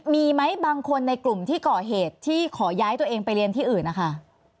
มีไหมบางคนในกลุ่มที่ก่อเหตุที่ขอย้ายตัวเองไปเรียนที่อื่นนะคะ